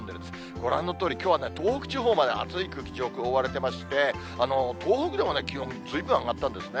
ご覧のとおり、きょうは東北地方まで暑い空気、上空覆われていまして、東北でも気温、ずいぶん上がったんですね。